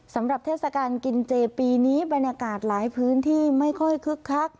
เทศกาลกินเจปีนี้บรรยากาศหลายพื้นที่ไม่ค่อยคึกคัก